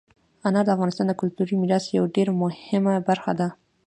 انار د افغانستان د کلتوري میراث یوه ډېره مهمه برخه ده.